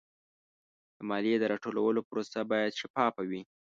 د مالیې د راټولولو پروسه باید شفافه وي.